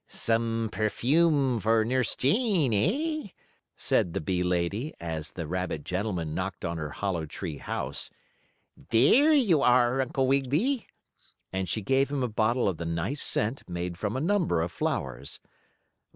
"Some perfume for Nurse Jane, eh?" said the bee lady, as the rabbit gentleman knocked on her hollow tree house. "There you are, Uncle Wiggily," and she gave him a bottle of the nice scent made from a number of flowers.